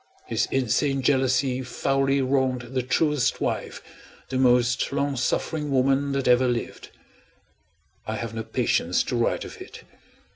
His insane jealousy foully wronged the truest wife, the most long suffering woman that ever lived. I have no patience to write of it.